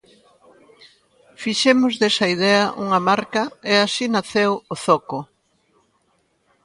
Fixemos desa idea unha marca e así naceu Ozoco.